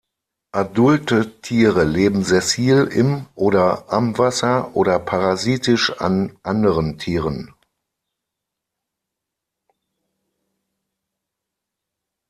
Adulte Tiere leben sessil im oder am Wasser oder parasitisch an anderen Tieren.